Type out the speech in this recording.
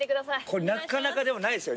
これなかなかないですよ。